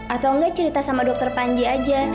atau enggak cerita sama dokter panji aja